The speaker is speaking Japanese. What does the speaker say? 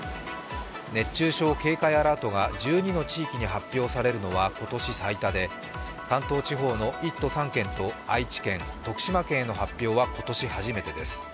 熱中症警戒アラートが１２の地域で発表されるのは今年最多で関東地方の１都３県と愛知県徳島県への発表は今年初めてです。